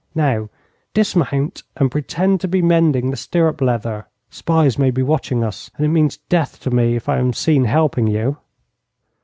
Now dismount and pretend to be mending the stirrup leather. Spies may be watching us, and it means death to me if I am seen helping you.'